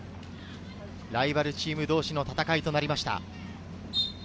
ライバルチーム同士の戦いとなりました。